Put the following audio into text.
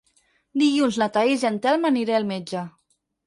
Dilluns na Thaís i en Telm aniré al metge.